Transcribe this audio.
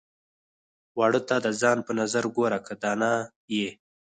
واړو ته د ځان په نظر ګوره که دانا يې.